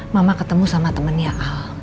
mama ketemu sama temennya al